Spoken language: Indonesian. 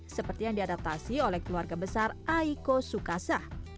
seperti yang diadaptasi oleh keluarga besar aiko sukasa